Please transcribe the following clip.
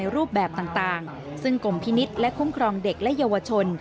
รูปแบบต่างซึ่งกรมพินิษฐ์และคุ้มครองเด็กและเยาวชน